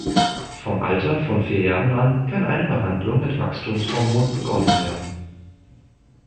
Vom Alter von vier Jahren an kann eine Behandlung mit Wachstumshormon begonnen werden.